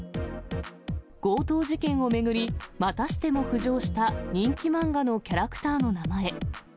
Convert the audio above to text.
強盗事件を巡り、またしても浮上した人気漫画のキャラクターの名前。